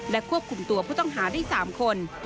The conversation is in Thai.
ควบคุมตัวผู้ต้องหาได้๓คน